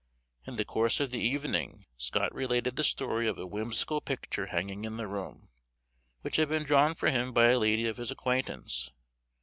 In the course of the evening, Scott related the story of a whimsical picture hanging in the room, which had been drawn for him by a lady of his acquaintance.